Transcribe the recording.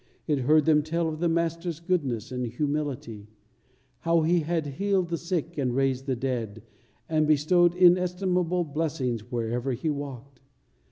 It heard them tell of the Master's goodness and humility, how He had healed the sick and raised the dead and bestowed inestimable blessings wherever He walked.